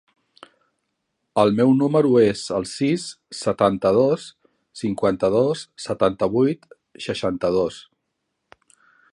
El meu número es el sis, setanta-dos, cinquanta-dos, setanta-vuit, seixanta-dos.